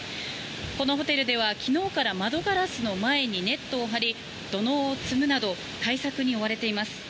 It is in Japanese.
このホテルでは昨日から窓ガラスの前にネットを張り、土のうを積むなど対策に追われています。